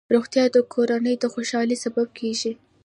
روغتیا د کورنۍ خوشحالۍ سبب کېږي.